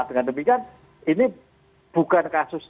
dengan demikian ini bukan kasus